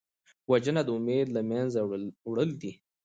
وژنه د امید له منځه وړل دي